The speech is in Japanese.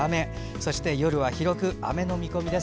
そして、夜は広く雨の見込みです。